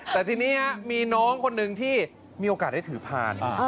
แต่ทีนี้มีน้องคนหนึ่งที่มีโอกาสได้ถือพาน